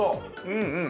うんうん。